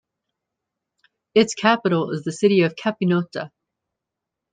Its capital is the city of Capinota.